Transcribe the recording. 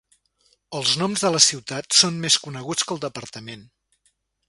Els noms de les ciutats són més coneguts que el departament.